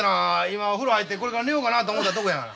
今お風呂入ってこれから寝ようかなと思たとこや。